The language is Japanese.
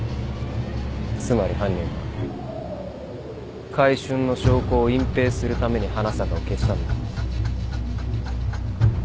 つまり犯人は買春の証拠を隠蔽するために花坂を消したんだ。